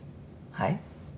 はい？